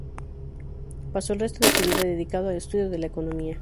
Pasó el resto de su vida dedicado al estudio de la economía.